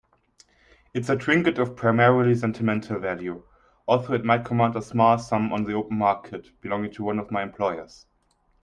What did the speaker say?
It's a trinket of primarily sentimental value, although it might command a small sum on the open market, belonging to one of my employers.